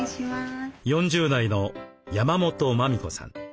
４０代の山本磨美子さん。